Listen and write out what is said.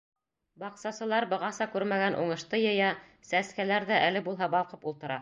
Баҡсасылар бығаса күрмәгән уңышты йыя, сәскәләр ҙә әле булһа балҡып ултыра.